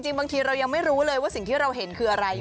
บางทีเรายังไม่รู้เลยว่าสิ่งที่เราเห็นคืออะไร